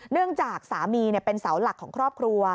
เนื่องจากสามีเป็นเสาหลักของครอบครัว